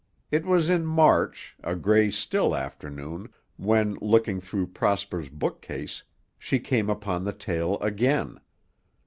It was in March, a gray, still afternoon, when, looking through Prosper's bookcase, she came upon the tale again.